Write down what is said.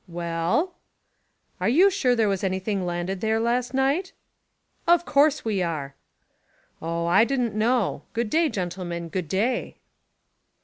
"Well?" "Are you sure there was anything landed there last night?" "Of course we are." "Oh, I didn't know. Good day, gentlemen, good day."